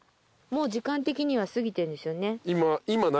もう時間的には過ぎてるんですよね。